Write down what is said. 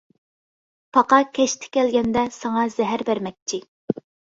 پاقا كەچتە كەلگەندە، ساڭا زەھەر بەرمەكچى.